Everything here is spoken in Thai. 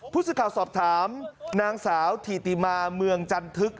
ผู้สื่อข่าวสอบถามนางสาวถิติมาเมืองจันทึก